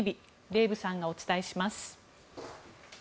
デーブさんがお伝えします。